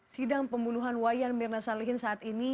sidang pembunuhan wayan mirna salihin saat ini